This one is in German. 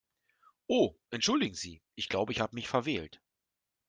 Oh entschuldigen Sie, ich glaube, ich habe mich verwählt.